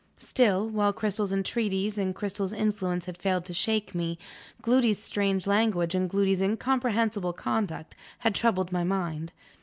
Still, while Cristel's entreaties and Cristel's influence had failed to shake me, Gloody's strange language and Gloody's incomprehensible conduct had troubled my mind.